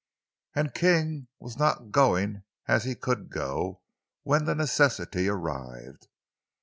And King was not going as he could go when the necessity arrived.